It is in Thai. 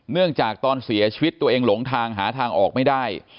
เนื่องจากตอนเสียชีวิตตัวเองหลงทางหาทางออกไม่ได้